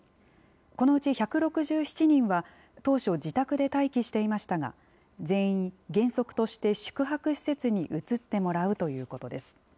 このうち１６７人は当初、自宅で待機していましたが、全員、原則として宿泊施設に移ってもらうということです。